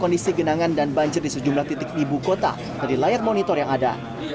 kondisi genangan dan banjir di sejumlah titik di ibu kota dari layar monitor yang ada